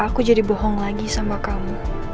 aku jadi bohong lagi sama kamu